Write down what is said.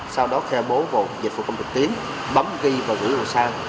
sau đó khe bố vụ dịch vụ công trực tuyến bấm ghi và gửi vào sang